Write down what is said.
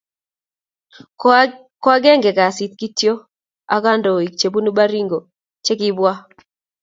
Ko agenge kasit, kituyo ak kandoik che bunu Baringo che kibwa ak